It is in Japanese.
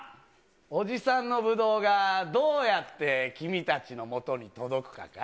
おじさんのブドウがどうやって君たちのもとに届くかかい？